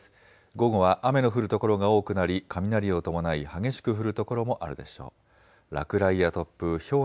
午後は雨の降る所が多くなり雷を伴い激しく降る所もあるでしょう。